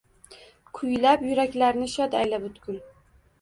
Kuylab yuraklarni shod ayla butkul.